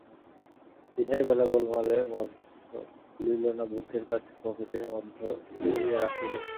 দিনের বেলা গোলমালের মধ্যে খুলিল না–বুকের কাছে পকেটের মধ্যে পুরিয়া রাখিল।